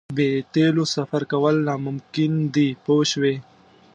بې تیلو سفر کول ناممکن دي پوه شوې!.